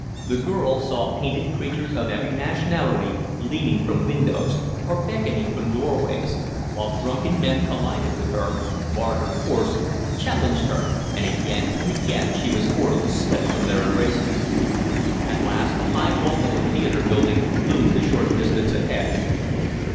The girl saw painted creatures of every nationality leaning from windows or beckoning from doorways, while drunken men collided with her, barred her course, challenged her, and again and again she was forced to slip from their embraces. At last the high bulk of the theatre building loomed a short distance ahead.